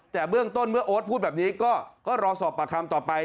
แต่เบื้องต้นเมื่อโอ๊ตพูดแบบนี้ก็รอสอบปากคำต่อไป